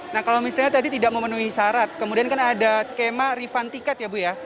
nah kalau misalnya tadi tidak memenuhi syarat kemudian kan ada skema refund tiket ya bu ya